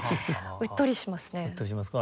うっとりしますか。